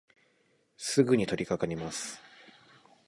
すぐにとりかかります。